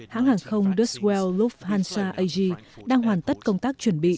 hãng hàng không duswell lufthansa ag đang hoàn tất công tác chuẩn bị